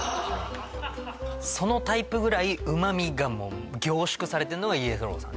そのタイプぐらい旨味がもう凝縮されてるのがイエローさんです